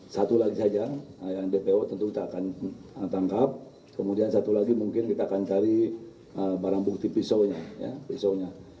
satu lagi saja yang dpo tentu kita akan tangkap kemudian satu lagi mungkin kita akan cari barang bukti pisaunya pisaunya